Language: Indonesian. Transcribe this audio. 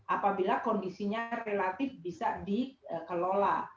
apabila kondisinya relatif bisa dikelola